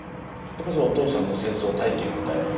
やっぱりお父さんの戦争体験みたいな？